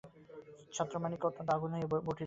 ছত্রমাণিক্য অত্যন্ত আগুন হইয়া উঠিলেন।